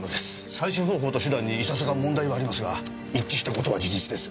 採取方法と手段にいささか問題はありますが一致した事は事実です。